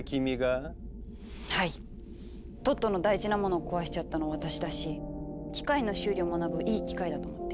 トットの大事な物壊しちゃったの私だし機械の修理を学ぶいい機会だと思って。